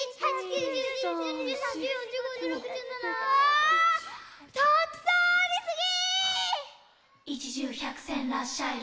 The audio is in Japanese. ああたくさんありすぎ！